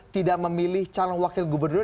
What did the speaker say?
tidak memilih calon wakil gubernur